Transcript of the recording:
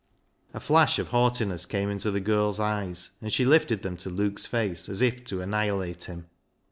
A flash of haughtiness came into the girl's eyes, and she lifted them to Luke's face as if to annihilate him.